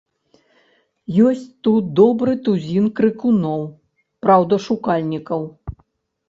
Ёсць тут добры тузін крыкуноў-праўдашукальнікаў.